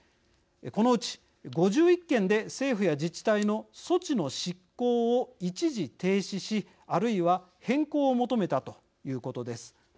このうち、５１件で政府や自治体の措置の執行を一時停止しあるいは変更を求めたということです。